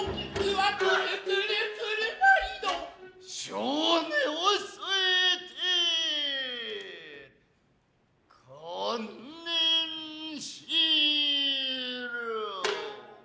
性根を据えて観念しろ。